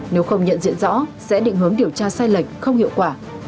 nếu không nhận diện rõ sẽ định hướng điều tra sai lệch không hiệu quả